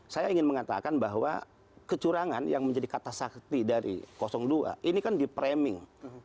saya ingin mengatakan bahwa kecurangan yang menjadi kata sakti dari dua ini kan di framing